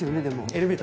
でも。